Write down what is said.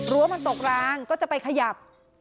มันตกรางก็จะไปขยับ